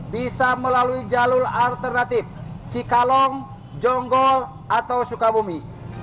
bisa melalui jalur alternatif cikalong jonggol atau sukabumi